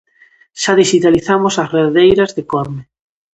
Xa dixitalizamos ás redeiras de Corme.